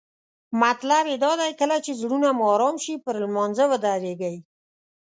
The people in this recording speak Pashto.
مطلب یې دا دی کله چې زړونه مو آرام شي پر لمانځه ودریږئ.